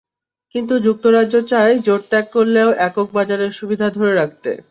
কিন্তু যুক্তরাজ্য চায় জোট ত্যাগ করলেও একক বাজারের সুবিধা ধরে রাখতে।